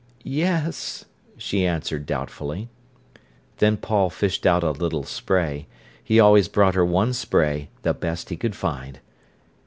"Yes," she answered doubtfully. Then Paul fished out a little spray. He always brought her one spray, the best he could find.